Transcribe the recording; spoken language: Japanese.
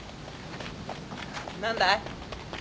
何だい？